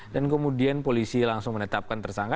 dan kemudian polisi langsung menetapkan tersangka